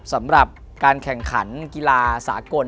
สำหรับการแข่งขันกีฬาสากล